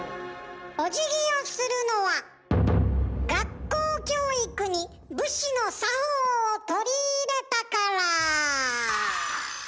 おじぎをするのは学校教育に武士の作法を取り入れたから！